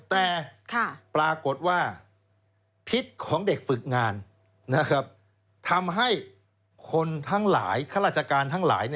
แต่ปรากฏว่าพิษของเด็กฝึกงานทำให้คนทั้งหลายข้าราชการทั้งหลาย